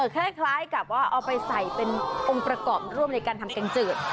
คล้ายกับว่าเอาไปใส่เป็นองค์ประกอบร่วมในการทำแกงจืด